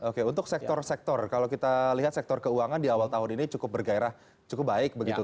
oke untuk sektor sektor kalau kita lihat sektor keuangan di awal tahun ini cukup bergairah cukup baik begitu